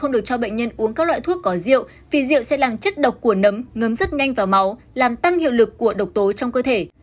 độc tố sẽ làm chất độc của nấm ngấm rất nhanh vào máu làm tăng hiệu lực của độc tố trong cơ thể